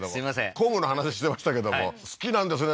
工具の話してましたけども好きなんですね